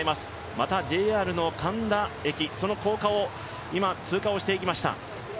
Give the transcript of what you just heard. またＪＲの神田駅、その高架を通過していきました。